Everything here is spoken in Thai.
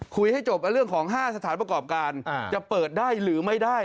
ให้จบเรื่องของ๕สถานประกอบการจะเปิดได้หรือไม่ได้